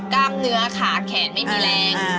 กล้ามเนื้อขาแขนไม่มีแรง